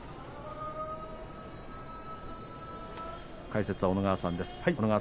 解説は小野川さんです。